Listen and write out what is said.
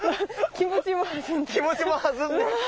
気持ちもはずんで。